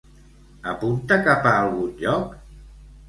Apunta cap a algun lloc?